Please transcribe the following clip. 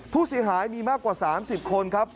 ผู้เสียหายมีมากกว่า๓๐คนครับ